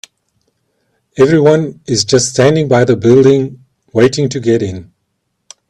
Everyone is just standing by the building, waiting to get in.